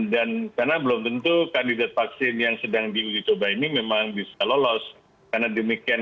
dan benar belum tentu kandidat vaksin yang sedang dicoba ini memang bisa lolos karena demikian